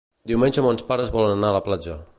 Diumenge mons pares volen anar a la platja.